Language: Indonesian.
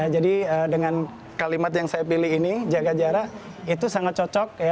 jadi dengan kalimat yang saya pilih ini jaga jarak itu sangat cocok